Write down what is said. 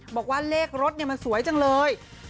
บอกว่าเลขรถมันสวยจังเลย